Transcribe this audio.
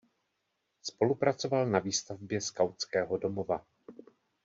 Spolupracoval na výstavbě skautského domova.